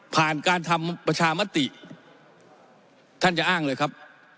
ผ่านการทำประชามติท่านจะอ้างเลยครับ